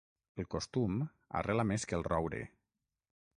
El costum arrela més que el roure.